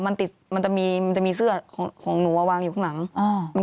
มันจะมีเสื้อของหนูวางอยู่ข้างหนัง